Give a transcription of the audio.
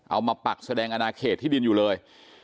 เอามาปักแสดงอนาคตเขตที่ดินอยู่เลย